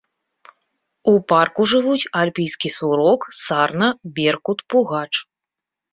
У парку жывуць альпійскі сурок, сарна, беркут, пугач.